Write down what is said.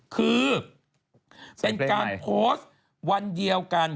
คือเป็นการโพสต์วันเดียวกัน